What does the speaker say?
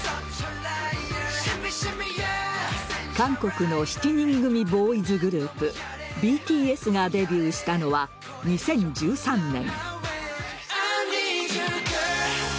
韓国の７人組ボーイズグループＢＴＳがデビューしたのは２０１３年。